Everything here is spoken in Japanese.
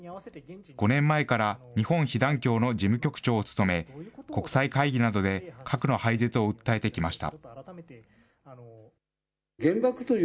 ５年前から日本被団協の事務局長を務め、国際会議などで核の廃絶を訴えてきました。